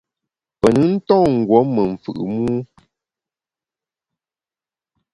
Pe nùn nton ngùom me mfù’ mû.